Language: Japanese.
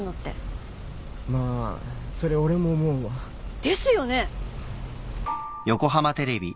まあそれ俺も思うわ。ですよね？